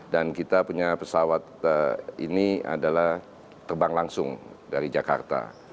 dan kita punya pesawat ini adalah terbang langsung dari jakarta